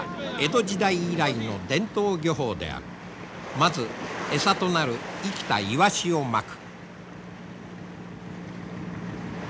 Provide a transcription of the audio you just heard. まず餌となる生きたイワシをまく。